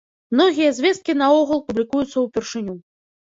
Многія звесткі наогул публікуюцца ўпершыню.